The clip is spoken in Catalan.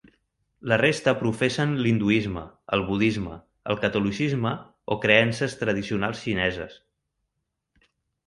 La resta professen l'hinduisme, el budisme, el catolicisme o creences tradicionals xineses.